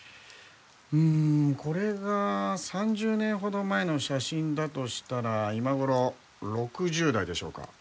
うーんこれが３０年ほど前の写真だとしたら今頃６０代でしょうか？